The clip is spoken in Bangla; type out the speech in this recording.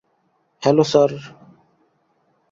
Hello, sir.